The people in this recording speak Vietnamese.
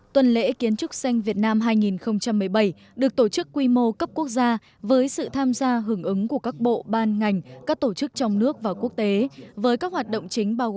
tuần lễ kiến trúc xanh việt nam hai nghìn một mươi bảy được tổ chức quy mô cấp quốc gia với sự tham gia hưởng ứng của các bộ ban ngành các tổ chức trong nước và quốc tế với các hoạt động chính bao gồm